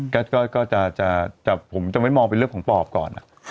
ก็จะผมจะไม่มองเป็นเรื่องของปอบก่อน